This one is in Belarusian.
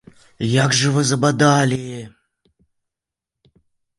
Як жа вы забадалі!